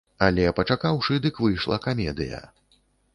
Але пачакаўшы, дык выйшла камедыя.